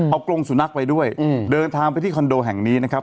เอากรงสุนัขไปด้วยเดินทางไปที่คอนโดแห่งนี้นะครับ